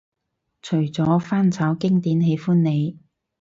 除咗翻炒經典喜歡你